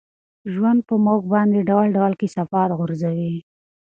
ژوند په موږ باندې ډول ډول کثافات غورځوي.